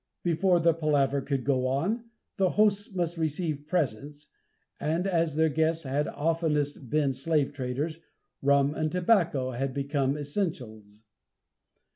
Before the palaver could go on, the hosts must receive presents, and as their guests had oftenest been slave traders, rum and tobacco had become essentials.